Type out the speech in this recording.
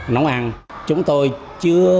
nấu ăn chúng tôi chưa